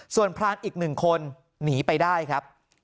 ส่วนพรานอีก๑คนหนีไปได้ครับ